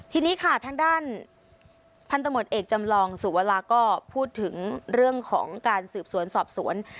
ทีนี้ค่ะทางด้านพันธมตเอกจำลองสุวราก็พูดถึงเรื่องของการสืบสวนสอบสวน